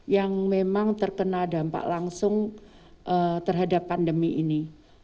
yang memang terkena dampak langsung terhadap pandemi ini